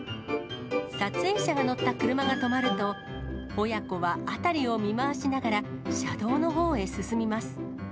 撮影者が乗った車が止まると、親子は辺りを見回しながら、車道のほうへ進みます。